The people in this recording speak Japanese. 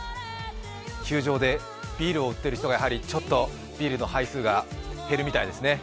球場でビールを売っている人がやはりちょっと、ビールの杯数が減るようですね。